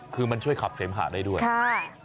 คือมันช่วยขับเสมหะได้ด้วยใช่